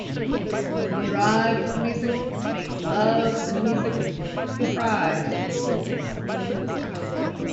Drive to the music, Make love to the music, cry to the music.